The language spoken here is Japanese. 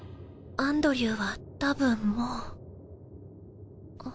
アンドリューは多分もうあ。